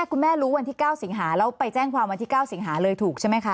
คุณแม่รู้วันที่๙สิงหาแล้วไปแจ้งความวันที่๙สิงหาเลยถูกใช่ไหมคะ